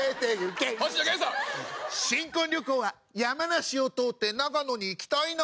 新婚旅行は山梨を通って長野に行きたいな。